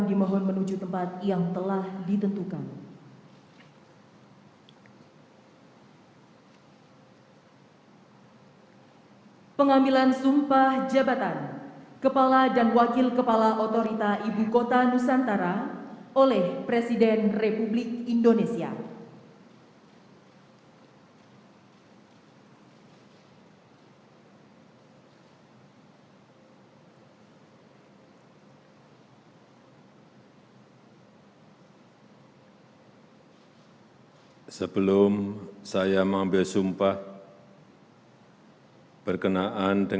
dan menjalankan segala undang undang